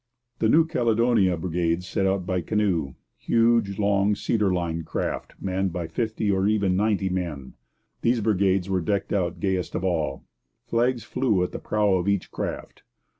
The New Caledonia brigades set out by canoe huge, long, cedar lined craft manned by fifty or even ninety men. These brigades were decked out gayest of all. Flags flew at the prow of each craft.